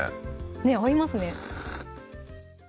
ねっ合いますね